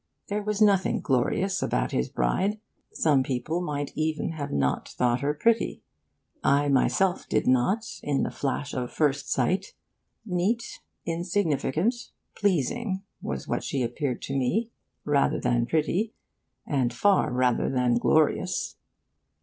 There was nothing glorious about his bride. Some people might even have not thought her pretty. I myself did not, in the flash of first sight. Neat, insignificant, pleasing, was what she appeared to me, rather than pretty, and far rather than glorious.